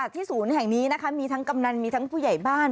ศูนย์แห่งนี้นะคะมีทั้งกำนันมีทั้งผู้ใหญ่บ้าน